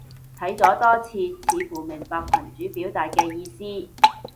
睇咗多次，似乎明白群主表達嘅意思